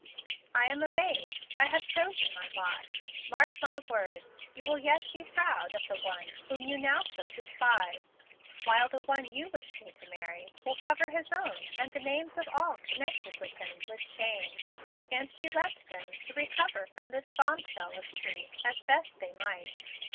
I am of age I have chosen my lot. Mark my words! you will yet be proud of the one whom you now so despise; while the one you wish me to marry will cover his own and the names of all connected with him with shame"; and she left them to recover from this bombshell of truth, as best they might.